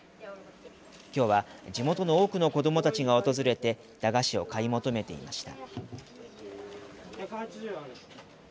きょうは地元の多くの子どもたちが訪れて駄菓子を買い求めていました。